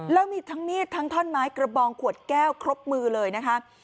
แล้วมีทั้งมีดทั้งท่อนไม้กระบองขวดแก้วครบมือเลยนะคะ